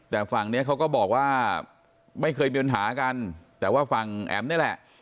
แต่ฝั่งนี้เขาก็บอกว่าไม่เคยมีปัญหากันแต่ว่าฝั่งแอ๋มนี่แหละ